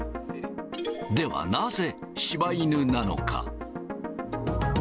ではなぜ、柴犬なのか。